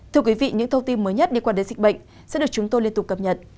thưa quý vị những thông tin mới nhất đi quan đến dịch bệnh sẽ được chúng tôi liên tục cập nhật